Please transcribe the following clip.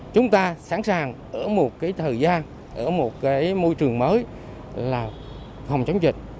chúng ta sẵn sàng ở một cái thời gian ở một môi trường mới là phòng chống dịch